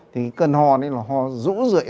thì cơn ho này là ho rũ rượi